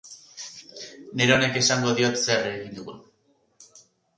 Neronek esango diot zer egin digun!